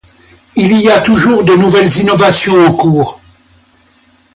Il y a toujours de nouvelles innovations en cours.